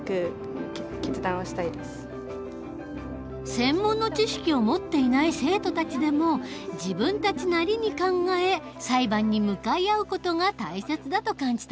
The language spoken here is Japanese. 専門の知識を持っていない生徒たちでも自分たちなりに考え裁判に向かい合う事が大切だと感じたようだ。